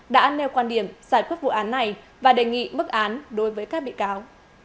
đã nêu quan điểm giải quyết vụ án này và đề nghị bức án đối với các bị cáo